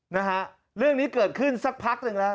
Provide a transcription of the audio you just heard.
นะฮะเรื่องนี้เกิดขึ้นสักพักหนึ่งแล้ว